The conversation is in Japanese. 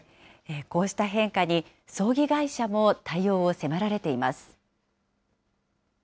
こうした変化に葬儀会社も対応を迫られています。